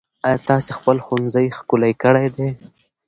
ايا تاسې خپل ښوونځی ښکلی کړی دی؟